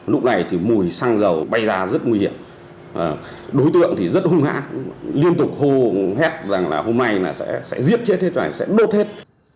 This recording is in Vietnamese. lúc này thì mùi xăng dầu bay ra rất nguy hiểm đối tượng thì rất hung hãn liên tục hô hết rằng là hôm nay là sẽ giết chết hết rồi sẽ đốt hết